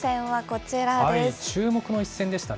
注目の一戦でしたね。